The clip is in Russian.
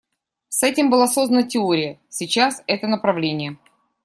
С этим была создана теория, сейчас это направление.